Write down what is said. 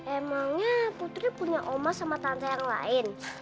emangnya putri punya oma sama tante yang lain